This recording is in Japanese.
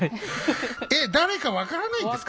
えっ誰か分からないんですか？